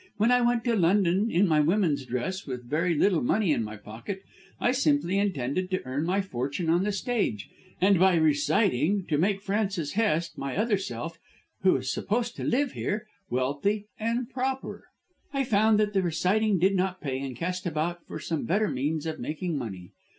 When I went to London in my woman's dress, with very little money in my pocket, I simply intended to earn my fortune on the stage, and by reciting to make Francis Hest my other self, who was supposed to live here wealthy and popular. I found that the reciting did not pay and cast about for some better means of making money.